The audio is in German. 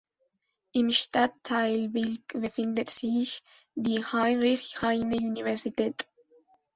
Im Stadtteil Bilk befindet sich die Heinrich-Heine-Universität.